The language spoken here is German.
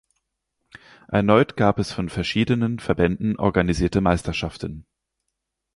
Erneut gab es von verschiedenen Verbänden organisierte Meisterschaften.